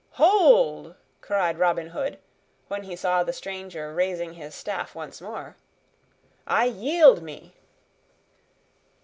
"Hold!" cried Robin Hood, when he saw the stranger raising his staff once more. "I yield me!"